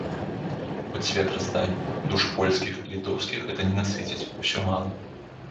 Хоць свет раздай, душ польскіх і літоўскіх гэта не насыціць, усё мала!